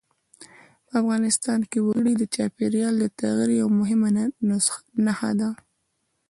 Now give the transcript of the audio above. په افغانستان کې وګړي د چاپېریال د تغیر یوه مهمه نښه ده.